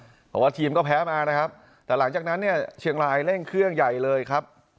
เพราะว่าทีมก็แพ้มานะครับแต่หลังจากนั้นเนี่ยเชียงรายเร่งเครื่องใหญ่เลยครับ